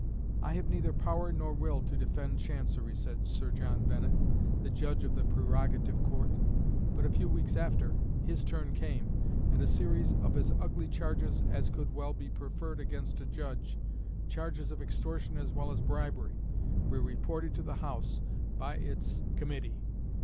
"I have neither power nor will to defend Chancery," said Sir John Bennett, the judge of the Prerogative Court; but a few weeks after his turn came, and a series of as ugly charges as could well be preferred against a judge, charges of extortion as well as bribery, were reported to the House by its Committee.